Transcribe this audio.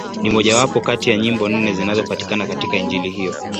Ni mmojawapo kati ya nyimbo nne zinazopatikana katika Injili hiyo.